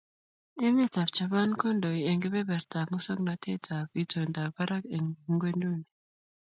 Emetab Japan kondoi eng kebebertab musoknatetab itondab barak eng ingwenduni.